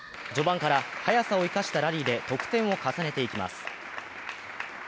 序盤から速さを生かしたラリーで得点を重ねていきます。